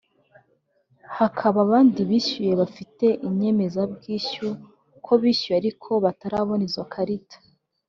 hakaba abandi bishyuye bafite inyemezabwishyu [borderaux] ko bishyuye ariko batarabona izo karita